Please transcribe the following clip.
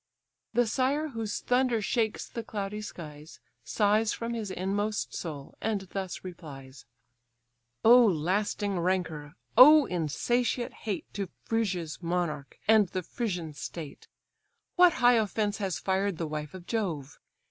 The sire whose thunder shakes the cloudy skies, Sighs from his inmost soul, and thus replies: "Oh lasting rancour! oh insatiate hate To Phrygia's monarch, and the Phrygian state! What high offence has fired the wife of Jove?